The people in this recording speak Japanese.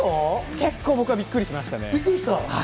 結構、僕はびっくりしましたね。